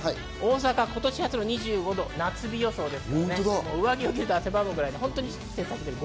大阪は今年初の２５度、夏日予想です。